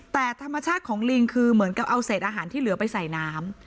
แต่ธรรมชาติของลิงคือเหมือนกับเอาเศษอาหารที่เหลือไปใส่น้ำ